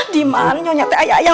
diman nyonyate ayawahi gera